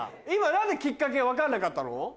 今何できっかけ分かんなかったの？